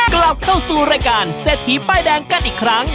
กลับเข้าสู่รายการเศรษฐีป้ายแดงกันอีกครั้ง